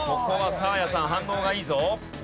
ここはサーヤさん反応がいいぞ。